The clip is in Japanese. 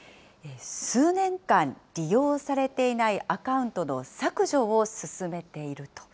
数年間、利用されていないアカウントの削除を進めていると。